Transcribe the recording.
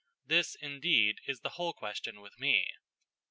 This, indeed, is the whole question with me."